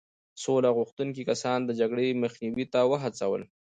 سوله غوښتونکي کسان د جګړې مخنیوي ته وهڅول.